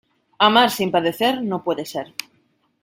Amar sin padecer, no puede ser.